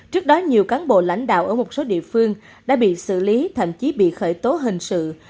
trước đó nhiều cán bộ lãnh đạo ở một số địa phương đã bị xử lý thậm chí bị khởi tố hình sự